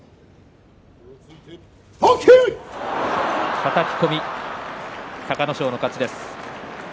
はたき込み隆の勝の勝ちです。